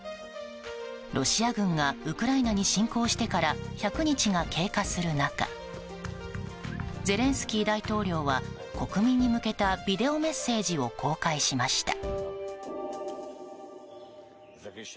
ロシア軍がウクライナに侵攻してから１００日が経過する中ゼレンスキー大統領は国民に向けたビデオメッセージを公開しました。